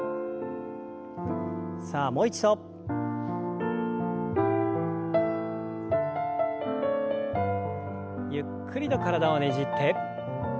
さあもう一度。ゆっくりと体をねじって。